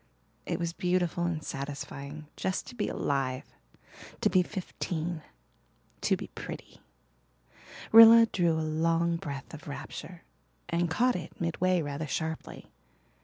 It was beautiful and satisfying just to be alive to be fifteen to be pretty. Rilla drew a long breath of rapture and caught it midway rather sharply.